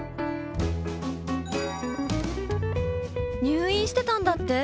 入院してたんだって？